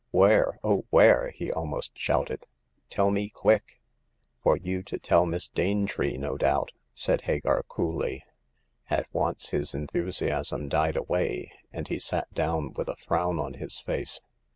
Where — oh, where ?" he almost shouted. "Tell me, quick !"" For you to tell Miss Danetree, no doubt," said Hagar, coolly. " At once his enthusiasm died away, and he sat down, with a frown on his face.